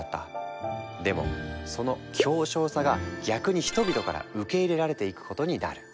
でもその狭小さが逆に人々から受け入れられていくことになる。